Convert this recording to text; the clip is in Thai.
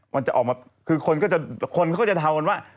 มันจะออกมาคือคนก็จะทำกันว่า